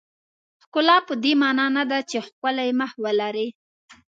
ښکلا پدې معنا نه ده چې ښکلی مخ ولرئ.